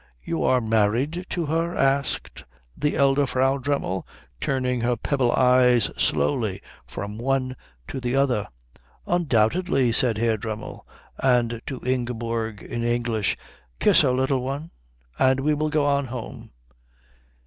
"You are married to her?" asked the elder Frau Dremmel, turning her pebble eyes slowly from one to the other. "Undoubtedly," said Herr Dremmel; and to Ingeborg, in English, "Kiss her, Little One, and we will go on home."